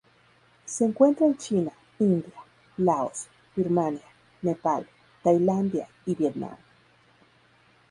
Se encuentra en China, India, Laos, Birmania, Nepal, Tailandia y Vietnam.